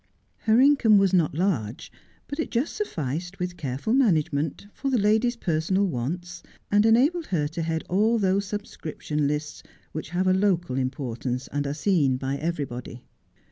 Her income was not large, but it just sufficed, with careful management, for the lady's personal wants, and enabled her to head all those subscription lists which have a local importance, and are seen by everybody.